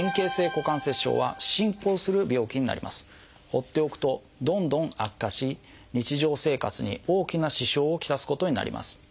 放っておくとどんどん悪化し日常生活に大きな支障を来すことになります。